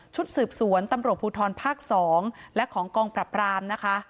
สืบสวนตำรวจภูทรภาค๒และของกองปรับรามนะคะ